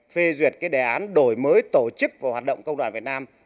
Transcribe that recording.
phê duyệt cái đề án đổi mới tổ chức và hoạt động công đoàn việt nam